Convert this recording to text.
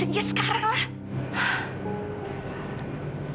iya sekarang lah